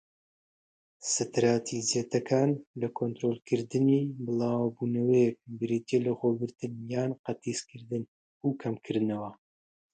ستراتیجیەتەکان لە کۆنترۆڵکردنی بڵاوبوونەوەیەک بریتیە لە لەخۆگرتن یان قەتیسکردن، و کەمکردنەوە.